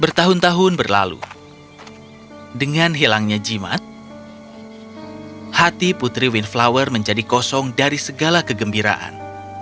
bertahun tahun berlalu dengan hilangnya jimat hati putri windflower menjadi kosong dari segala kegembiraan